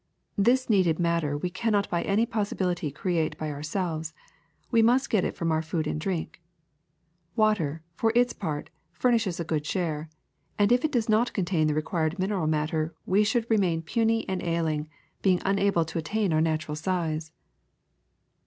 This needed matter we cannot by any possibility create by ourselves; we must get it from our food and drink. Water, for its part, furnishes a good share, and if it did not contain the required mineral matter we should re main puny and ailing, being unable to attain our nat ural size.'